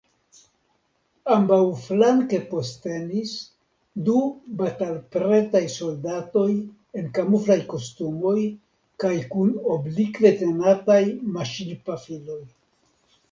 Ambaŭflanke postenis du batalpretaj soldatoj en kamuflaj kostumoj kaj kun oblikve tenataj maŝinpafiloj.